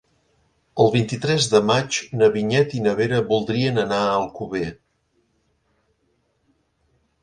El vint-i-tres de maig na Vinyet i na Vera voldrien anar a Alcover.